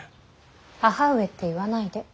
義母上って言わないで。